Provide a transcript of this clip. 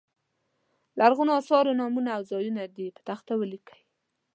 د لرغونو اثارو نومونه او ځایونه دې په تخته ولیکي.